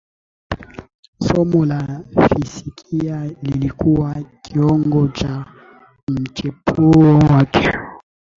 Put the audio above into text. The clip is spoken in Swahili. somo la fizikia lilikuwa kiungo cha mchepuo wake